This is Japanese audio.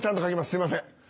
すいません。